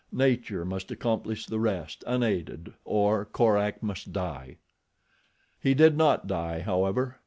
Nature must accomplish the rest unaided or Korak must die. He did not die, however.